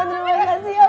terima kasih allah